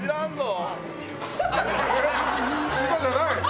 芝じゃない！